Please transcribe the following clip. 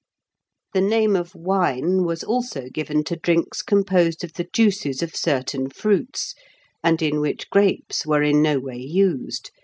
] The name of wine was also given to drinks composed of the juices of certain fruits, and in which grapes were in no way used.